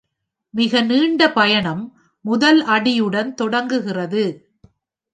மிக நீண்ட பயணம் முதல் அடியுடன் தொடங்குகிறது ,